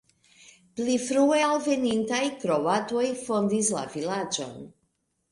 Pli frue alvenintaj kroatoj fondis la vilaĝon.